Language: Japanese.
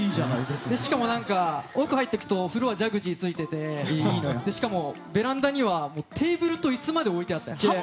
しかも、奥に入っていくとお風呂はジャグジーがついていてベランダにはテーブルとイスまで置いてあって。